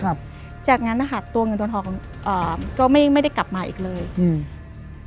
ครับจากนั้นนะคะตัวเงินตัวทองอ่าก็ไม่ไม่ได้กลับมาอีกเลยอืม